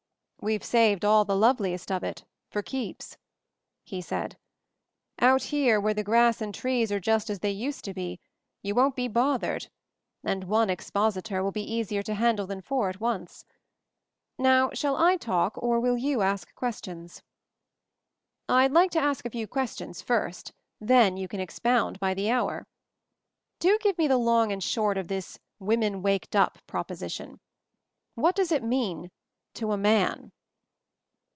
"We've saved all the loveliest of it — for keeps," he said. "Out here, where the grass and trees are just as they used to be, you won't be bothered, and one expositor will be easier to handle than four at once. Now, shall I talk, or will you ask questions?" "I'd like to ask a few questions first, then you can expound by the hour. Do give me the long and short of this Vomen waked up' proposition. What does it mean — to a man?"